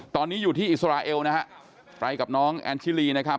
ตอนนี้อยู่ที่อิสราเอลนะฮะไปกับน้องแอนชิลีนะครับ